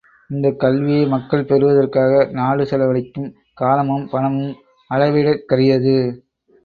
இந்தக் கல்வியை மக்கள் பெறுவதற்காக நாடு செலவழிக்கும் காலமும் பணமும் அளவிடற்கரியது.